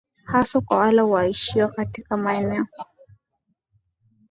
haswa kwa wale waishio katika maeneo